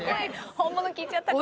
本物聞いちゃった。